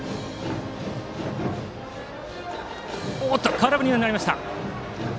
空振りになりました。